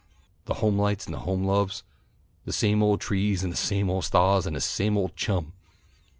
The home lights and the home loves, the same old trees and the same old sta'hs and the same old chum!"